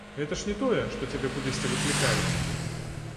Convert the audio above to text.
Гэта ж не тое, што цябе кудысьці выклікаюць.